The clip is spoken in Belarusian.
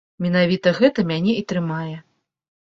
Менавіта гэта мяне і трымае.